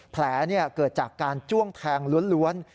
แผลเกิดจากการจ้วงแทงล้วน